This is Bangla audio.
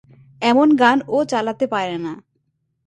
এমন গান ও চালাতে পারে না।